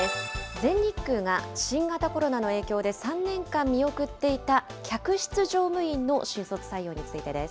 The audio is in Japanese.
全日空が新型コロナの影響で３年間見送っていた客室乗務員の新卒採用についてです。